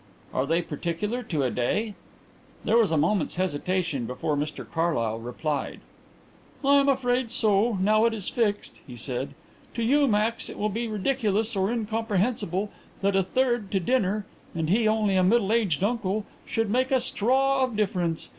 "Are they particular to a day?" There was a moment's hesitation before Mr Carlyle replied. "I am afraid so, now it is fixed," he said. "To you, Max, it will be ridiculous or incomprehensible that a third to dinner and he only a middle aged uncle should make a straw of difference.